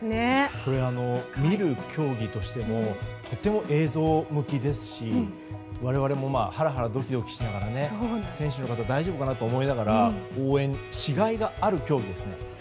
これ、見る競技としてもとても映像向きですし我々もハラハラドキドキしながら選手の方大丈夫かなと思いながら応援しがいがある競技ですね。